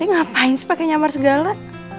ngapain sih pakai nyamar segala